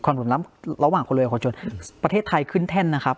เหลื่อมล้ำระหว่างคนรวยกับคนจนประเทศไทยขึ้นแท่นนะครับ